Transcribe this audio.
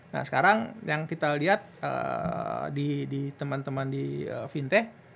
nah sekarang yang kita lihat di teman teman di fintech